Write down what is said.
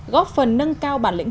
góp phần nâng cao bản lĩnh